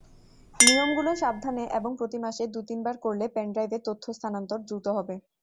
নিয়মগুলো সাবধানে এবং প্রতি মাসে দু-তিনবার করলে পেনড্রাইভে তথ্য স্থানান্তর দ্রুত হবে।